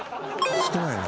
少ないな。